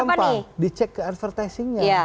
kan gampang dicek ke advertising nya